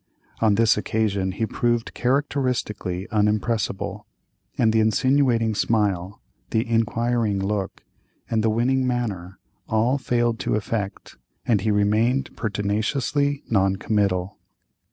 On this occasion he proved characteristically unimpressible; and the insinuating smile, the inquiring look, and the winning manner, all failed of effect, and he remained pertinaciously non committal.